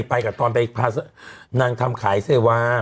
ไปกับตอนไปพานางทำขายเซวา